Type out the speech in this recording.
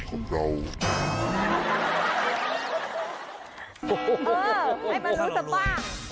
โอ้โฮให้มันรู้สักบ้าง